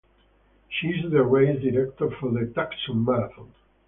She is the race director for the Tucson Marathon.